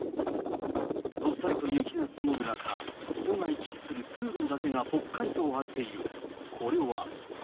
どっさりと雪が積もる中、人が行き来する通路だけがぽっかりと空いている。